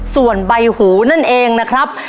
ส่วนใบหูนั่นเองนะครับ